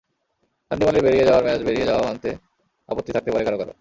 চান্ডিমালের বেরিয়ে যাওয়ায় ম্যাচ বেরিয়ে যাওয়া মানতে আপত্তি থাকতে পারে কারও কারও।